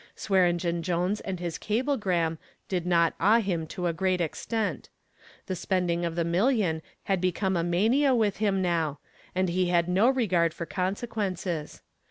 Swearengen Jones and his cablegram did not awe him to a great extent. The spending of the million had become a mania with him now and he had no regard for consequences.